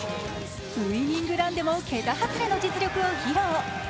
ウィンニングランでも桁外れの実力を披露。